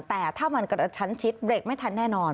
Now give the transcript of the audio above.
แต่ถ้ามันกระชั้นชิดเบรกไม่ทันแน่นอน